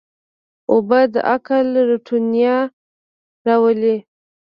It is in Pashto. اوبه د عقل روڼتیا راولي.